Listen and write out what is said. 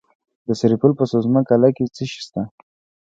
د سرپل په سوزمه قلعه کې څه شی شته؟